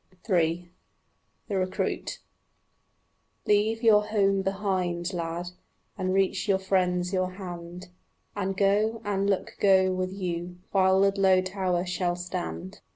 III THE RECRUIT Leave your home behind, lad, And reach your friends your hand, And go, and luck go with you While Ludlow tower shall stand.